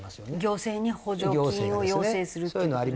行政に補助金を要請するっていう事ですか。